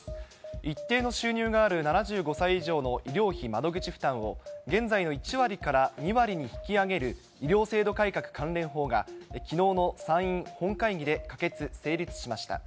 一定の収入がある７５歳以上の医療費窓口負担を、現在の１割から２割に引き上げる医療制度改革関連法が、きのうの参院本会議で可決・成立しました。